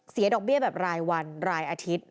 ดอกเบี้ยแบบรายวันรายอาทิตย์